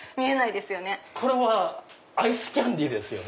これはアイスキャンディーですよね？